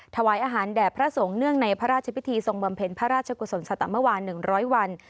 ถวายอาหารแด่พระสงฆ์เนื่องในพระราชพิธีทรงบำเพ็ญพระราชกุศลสตมวาน๑๐๐วัน